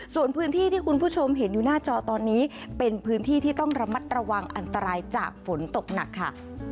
ส่วนพื้นที่ที่คุณผู้ชมเห็นอยู่หน้าจอตอนนี้เป็นพื้นที่ที่ต้องระมัดระวังอันตรายจากฝนตกหนักค่ะ